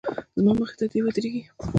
زما مخې ته دې ودرېږي.